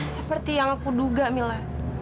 seperti yang aku duga mila